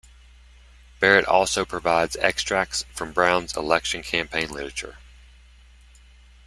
Barrett also provides extracts from Brown's election campaign literature.